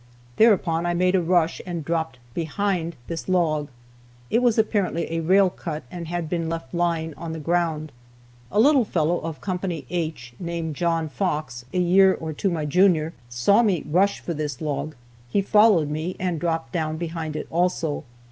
Thereupon I made a rush, and dropped behind this log. It was apparently a rail cut, and had been left lying on the ground. A little fellow of Co. H, named John Fox, a year or two my junior, saw me rush for this log, he followed me, and dropped down behind it also.